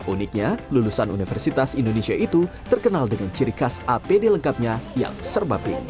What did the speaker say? uniknya lulusan universitas indonesia itu terkenal dengan ciri khas apd lengkapnya yang serba pink